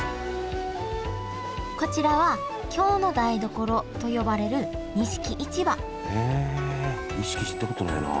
こちらは京の台所と呼ばれる錦市場へえ錦行ったことないな。